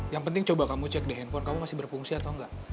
yang penting coba kamu cek di handphone kamu masih berfungsi atau enggak